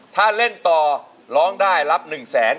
ถ้าเล่นต่อร้องได้รับ๑แสน